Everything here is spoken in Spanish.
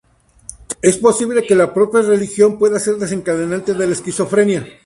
Es posible que la propia religión pueda ser un desencadenante de la esquizofrenia.